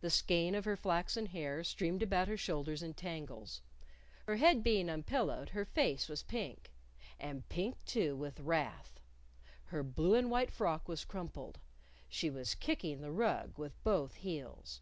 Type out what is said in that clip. The skein of her flaxen hair streamed about her shoulders in tangles. Her head being unpillowed, her face was pink and pink, too, with wrath. Her blue and white frock was crumpled. She was kicking the rug with both heels.